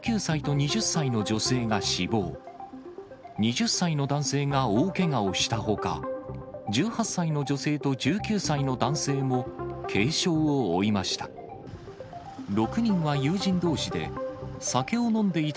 ２０歳の男性が大けがをしたほか、１８歳の女性と１９歳の男性も軽傷を負いました。